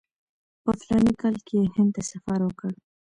په فلاني کال کې یې هند ته سفر وکړ.